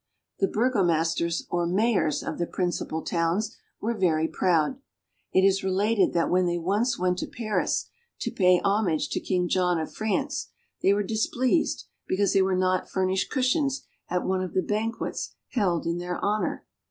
The burgomasters or mayors of the principal towns were very proud. It is related that when they once went to Paris to pay homage to King John of France they were displeased because they were not furnished cushions at one of the banquets held in their honor.